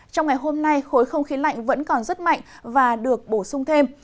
trong ngày hôm nay khối không khí lạnh vẫn còn rất mạnh và được bổ sung thêm